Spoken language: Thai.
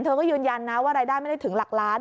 เธอก็ยืนยันนะว่ารายได้ไม่ได้ถึงหลักล้าน